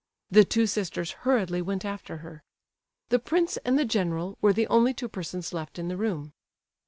The two sisters hurriedly went after her. The prince and the general were the only two persons left in the room.